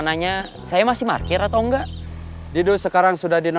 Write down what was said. nanti ada kejadian seperti kemarin